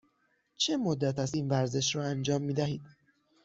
چه مدت است این ورزش را انجام می دهید؟